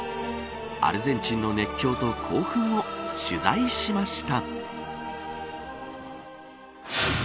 アルゼンチンの熱狂と興奮を取材しました。